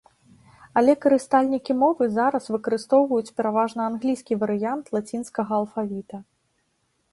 Але карыстальнікі мовы зараз выкарыстоўваюць пераважна англійскі варыянт лацінскага алфавіта.